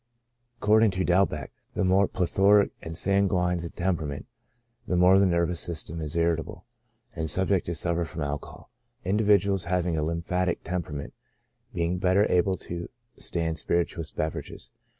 Ac cording to Delbeck, the more plethoric and sanguine the temperament, the more the nervous system is irritable, and subject to suffer from alcohol ; individuals having a lym phatic temperament being better able to stand spirituous beverages.